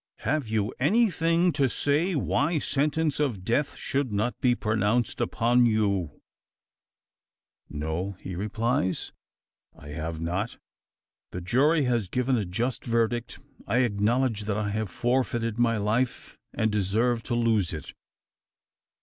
"Have you anything to say why sentence of death should not be pronounced upon you?" "No!" he replies, "I have not. The jury has given a just verdict. I acknowledge that I have forfeited my life, and deserve to lose it."